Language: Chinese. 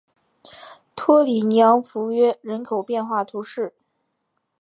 托里尼昂弗约人口变化图示